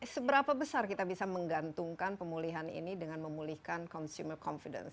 seberapa besar kita bisa menggantungkan pemulihan ini dengan memulihkan consumer confidence